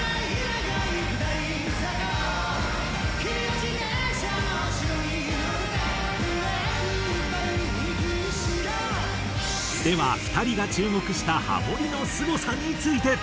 「染めてゆくから」では２人が注目したハモリのすごさについて。